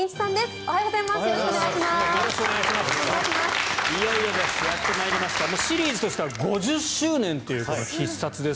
おはようございます。